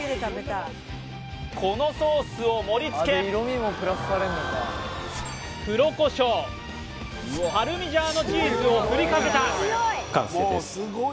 このソースを盛りつけパルミジャーノチーズを振りかけた完成です